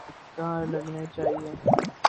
کہاں لگنے چاہئیں۔